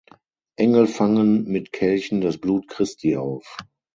Engel fangen mit Kelchen das Blut Christi auf.